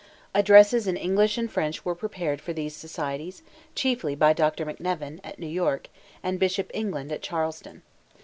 Addresses in English and French were prepared for these societies, chiefly by Dr. McNevin, at New York, and Bishop England, at Charleston.